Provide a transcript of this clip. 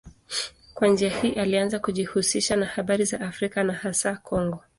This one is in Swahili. Kwa njia hii alianza kujihusisha na habari za Afrika na hasa Kongo.